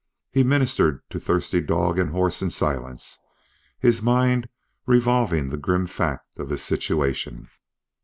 He ministered to thirsty dog and horse in silence, his mind revolving the grim fact of his situation.